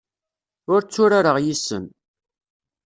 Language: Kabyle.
Ur tturareɣ yes-sen.